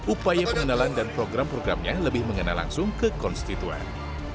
upaya pengenalan dan program programnya lebih mengenal langsung ke konstituen